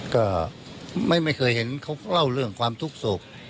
ก็ไม่เคยเห็นเขาเล่าเรื่องความทุกข์สุข